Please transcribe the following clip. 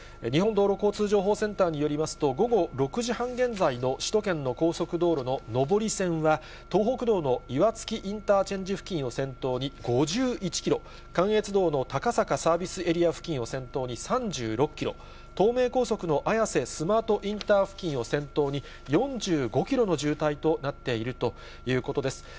日本道路交通情報センターによりますと、午後６時半現在の首都圏の高速道路の上り線は、東北道の岩槻インターチェンジ付近を先頭に５１キロ、関越道の高坂サービスエリア付近を先頭に３６キロ、東名高速の綾瀬スマートインター付近を先頭に４５キロの渋滞となっているということです。